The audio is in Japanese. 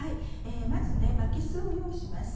まず巻きすを用意します。